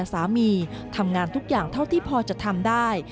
สามีทำงานทุกอย่างเท่าที่พอจะทำได้